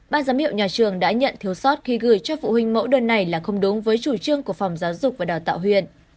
ban giám hiệu nhà trường đã nhận thiếu sót khi gửi cho phụ huynh mẫu đơn này là không đúng với chủ trương của phòng giáo dục và đào tạo huyện